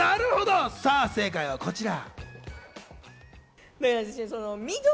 さぁ正解はこちら。